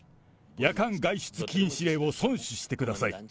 夜間外出禁止令を順守してください。